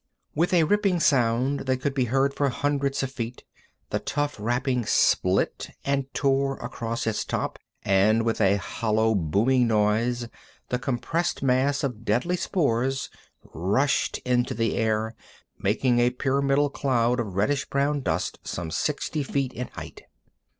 With a ripping sound that could be heard for hundreds of feet, the tough wrapping split and tore across its top, and with a hollow, booming noise the compressed mass of deadly spores rushed into the air, making a pyramidal cloud of brown red dust some sixty feet in height.